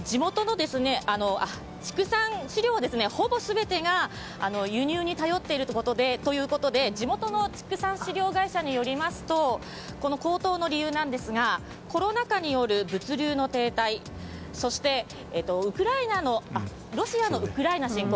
畜産飼料のほぼ全てが輸入に頼っているということで地元の畜産飼料会社によりますと高騰の理由ですがコロナ禍による物流の停滞、そしてロシアのウクライナ侵攻。